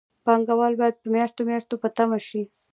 پانګوال باید په میاشتو میاشتو په تمه شي